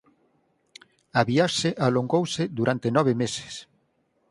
A viaxe alongouse durante nove meses.